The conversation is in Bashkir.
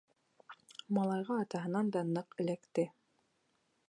Малайға атаһынан да ныҡ эләкте.